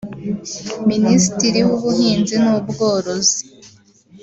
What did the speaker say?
Minisitiri w’Ubuhinzi n’ubworozi